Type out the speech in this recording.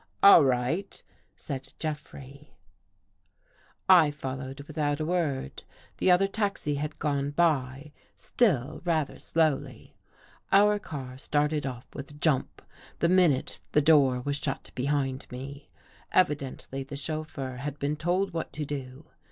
" All right," said Jeffrey. 201 14 THE GHOST GIRL I followed without a word* The other taxi had gone by, still rather slowly. Our car started off with a jump the minute the door was shut behind me. Evidently the chauf feur had been told what to do.